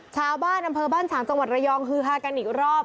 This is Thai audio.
ชาวบ้านอำเภอบ้านฉางจังหวัดระยองฮือฮากันอีกรอบ